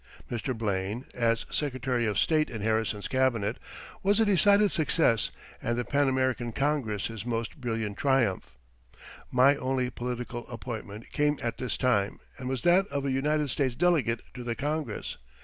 Mr. Blaine, as Secretary of State in Harrison's Cabinet, was a decided success and the Pan American Congress his most brilliant triumph. My only political appointment came at this time and was that of a United States delegate to the Congress.